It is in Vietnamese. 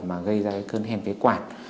mà gây ra cơn hen phế quản